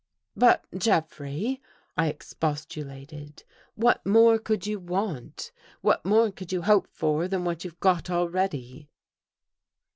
" But Jeffrey," I expostulated, " what more could you want? What more could you hope for than what you've got already?